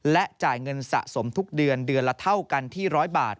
และจ่ายเงินสะสมทุกเดือนเดือนละเท่ากันที่๑๐๐บาท